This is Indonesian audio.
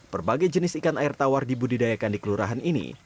berbagai jenis ikan air tawar dibudidayakan di kelurahan ini